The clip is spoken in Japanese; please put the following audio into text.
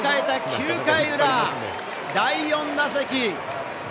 ９回裏第４打席。